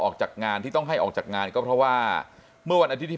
ออกจากงานที่ต้องให้ออกจากงานก็เพราะว่าเมื่อวันอาทิตย์